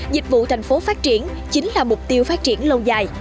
dịch vụ thành phố phát triển chính là mục tiêu phát triển lâu dài